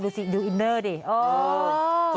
ดูซิดูอินเนอร์ดิ